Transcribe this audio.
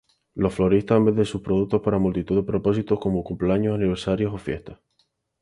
Los floristas venden sus productos para multitud de propósitos, como cumpleaños, aniversarios o fiestas.